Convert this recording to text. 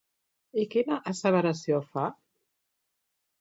I quina asseveració fa?